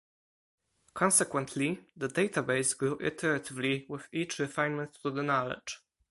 Consequently, the data base grew iteratively with each refinement to the knowledge.